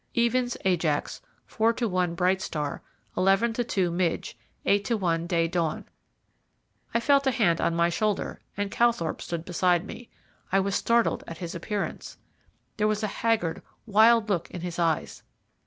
Evens Ajax, four to one Bright Star, eleven to two Midge, eight to one Day Dawn. I felt a hand on my shoulder, and Calthorpe stood beside me. I was startled at his appearance. There was a haggard, wild look in his eyes.